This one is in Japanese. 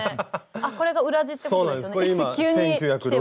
あっこれが裏地ってことですよね？